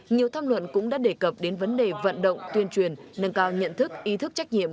nhiều tham luận cũng đã đề cập đến vấn đề vận động tuyên truyền nâng cao nhận thức ý thức trách nhiệm